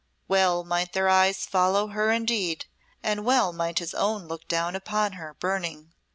Well might their eyes follow her indeed, and well might his own look down upon her, burning.